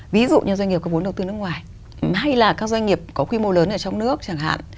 ví dụ như doanh nghiệp có vốn đầu tư nước ngoài hay là các doanh nghiệp có quy mô lớn ở trong nước chẳng hạn